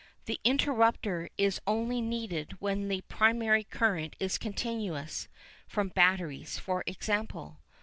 The interrupter is only needed when the primary current is continuous from batteries, for example.